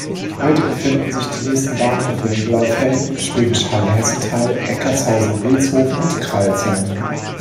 Heute befinden sich die nächsten Bahnhöfe in Blaufelden, Schwäbisch Hall-Hessental, Eckartshausen-Ilshofen und Crailsheim.